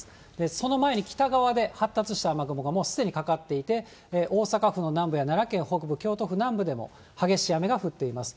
その前に北側で発達した雨雲がもうすでにかかっていて、大阪府の南部や奈良県北部、京都府南部でも激しい雨が降っています。